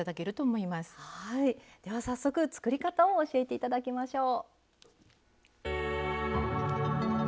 では早速作り方を教えて頂きましょう。